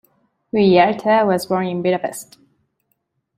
Gyurta was born in Budapest.